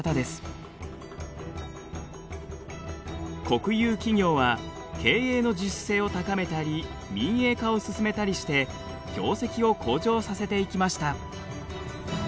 国有企業は経営の自主性を高めたり民営化を進めたりして業績を向上させていきました。